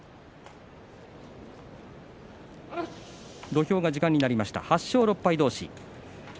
土俵が時間になりました８勝６敗同士。